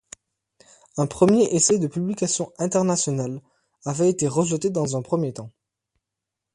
Un premier essai de publication internationale avait été rejeté dans un premier temps.